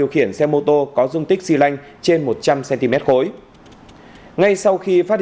không bao che sai phạm